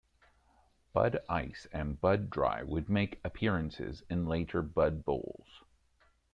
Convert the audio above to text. Bud Ice and Bud Dry would make appearances in later Bud Bowls.